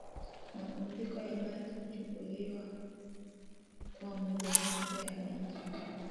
mapumziko wa Bath huchukuliwa kuwa mojawapo ya miji